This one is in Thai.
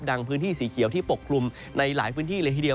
พื้นที่สีเขียวที่ปกกลุ่มในหลายพื้นที่เลยทีเดียว